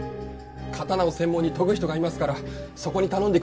刀を専門に研ぐ人がいますからそこに頼んでください。